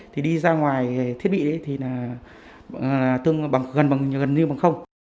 thì đi ra ngoài thiết bị thì tương gần như bằng không